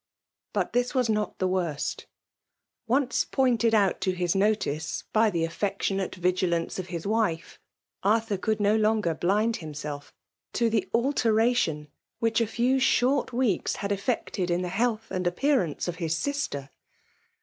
B«,t this was not the worst Once pointed out to his notice by the affectionate vigilance of his wife, Arthur could no longer blind him self to the alteration which a few short weeks had ^eetod in the health and appearance of his sister.